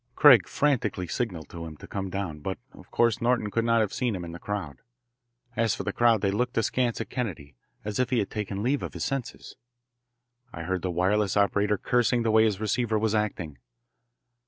Craig frantically signalled to him to come down, but of course Norton could not have seen him in the crowd. As for the crowd, they looked askance at Kennedy, as if he had taken leave of his senses. I heard the wireless operator cursing the way his receiver was acting.